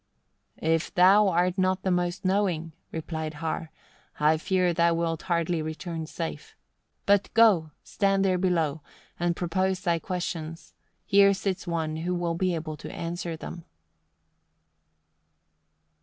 "If thou art not the most knowing," replied Har, "I fear thou wilt hardly return safe. But go, stand there below, and propose thy questions, here sits one who will be able to answer them."